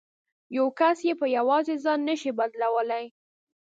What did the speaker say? یو کس یې په یوازې ځان نه شي بدلولای.